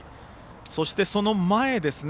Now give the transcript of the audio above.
そして、その前ですね。